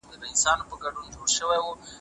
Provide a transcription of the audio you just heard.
د الله رضا تر ټولو مادي ګټو ډېره مهمه ده.